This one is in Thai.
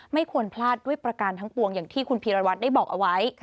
ไม่ควรพลาดด้วยประการทั้งปวงอย่างที่คุณพีรวัตรได้บอกเอาไว้